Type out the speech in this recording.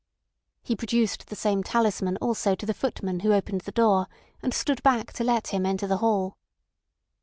He produced the same talisman also to the footman who opened the door, and stood back to let him enter the hall.